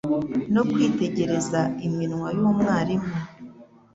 no kwitegereza iminwa y'umwarimu